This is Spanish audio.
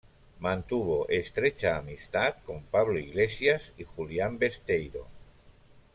Mantuvo estrecha amistad con Pablo Iglesias y Julián Besteiro.